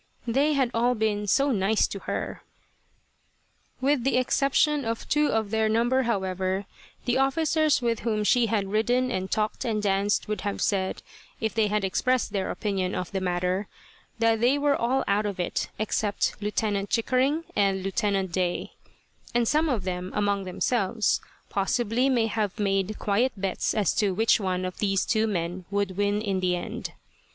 They had all been "so nice" to her. With the exception of two of their number, however, the officers with whom she had ridden and talked and danced, would have said, if they had expressed their opinion of the matter, that they were all out of it except Lieutenant Chickering and Lieutenant Day; and some of them, among themselves, possibly may have made quiet bets as to which one of these two men would win in the end.